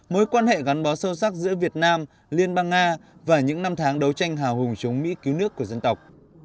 mối quan hệ gắn bó sâu sắc giữa việt nam liên bang nga và những năm tháng đấu tranh hào hùng chống mỹ cứu nước của dân tộc